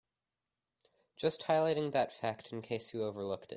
Just highlighting that fact in case you overlooked it.